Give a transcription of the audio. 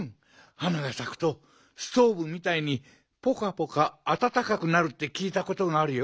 花がさくとストーブみたいにぽかぽかあたたかくなるってきいたことがあるよ。